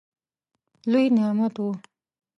لوی نعمت وو.